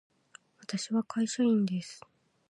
私は会社員です。